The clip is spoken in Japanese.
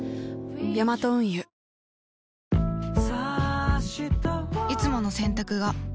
ヤマト運輸いつもの洗濯が